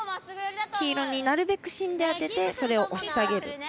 黄色になるべく芯で当ててそれを押し下げる。